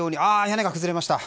屋根が崩れました。